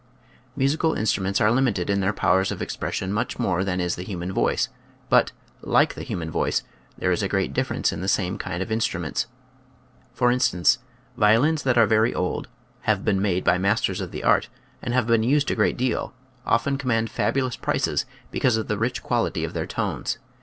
Musical instruments are limited in their powers of expression much more than is the human voice, but, like the human voice, there is a great difference in the same kind of in struments. For instance, violins that are very old, have been made by masters of the art, and have been used a great deal, often com mand fabulous prices because of the rich quality of their tones.